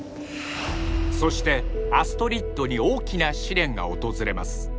そしてアストリッドに大きな試練が訪れます